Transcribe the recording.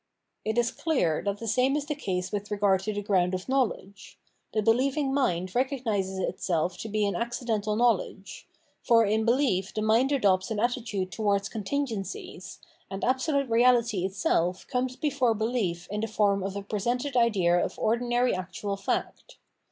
It is clear that the same is the case with regard to the ground of knowledge. The believing mind recognises itself to be an accidental knowledge ; for in belief the mind adopts an attitude towards contingen cies, and absolute Eeahty itself comes before belief in the form of a presented idea of ordinary actual fact.